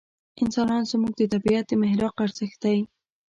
انسان زموږ د طبعیت د محراق ارزښت دی.